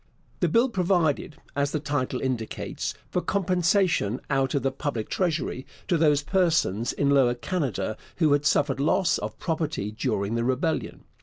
The Bill provided, as the title indicates, for compensation out of the public treasury to those persons in Lower Canada who had suffered loss of property during the rebellion.